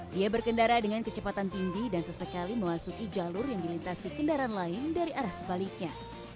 dia berkendara dengan kecepatan tinggi dan sesekali memasuki jalur yang dilintasi kendaraan lain dari arah sebaliknya